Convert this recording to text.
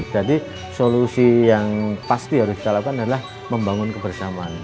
jadi solusi yang pasti harus kita lakukan adalah membangun kebersamaan